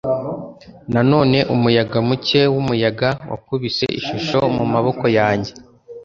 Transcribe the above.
Noneho umuyaga muke wumuyaga wakubise ishusho mumaboko yanjye